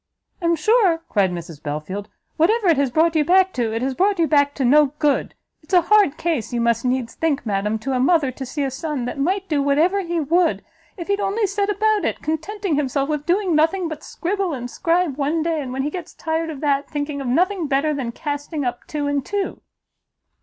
"I am sure," cried Mrs Belfield, "whatever it has brought you back to, it has brought you back to no good! it's a hard case, you must needs think, madam, to a mother, to see a son that might do whatever he would, if he'd only set about it, contenting himself with doing nothing but scribble and scribe one day, and when he gets tired of that, thinking of nothing better than casting up two and two!"